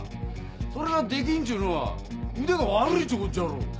それができんっちゅうのは腕が悪いっちゅうことじゃろ。